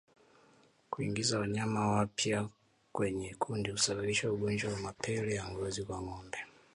Kuingiza wanyama wapya kwenye kundi husababisha ungojwa wa mapele ya ngozi kwa ngombe